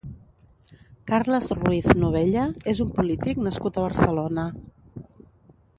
Carles Ruiz Novella és un polític nascut a Barcelona.